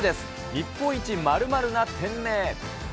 日本一○○な店名。